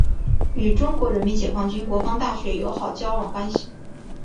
与中国人民解放军国防大学友好交往关系。